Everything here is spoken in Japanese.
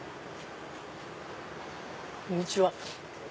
こんにちは。